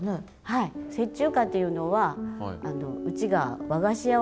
はい雪中花というのはうちが和菓子屋をしてて。